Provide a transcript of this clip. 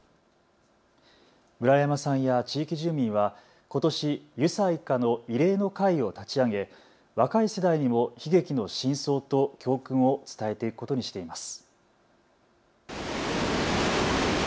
村山さんや地域住民はことし遊佐一家の慰霊の会を立ち上げ若い世代にも悲劇の真相と教訓を伝えていくことにしています。